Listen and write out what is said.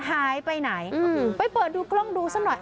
หายไปไหนไปเปิดดูกล้องดูซะหน่อย